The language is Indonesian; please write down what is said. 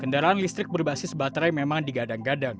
kendaraan listrik berbasis baterai memang digadang gadang